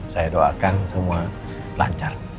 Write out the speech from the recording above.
saya doakan semua lancar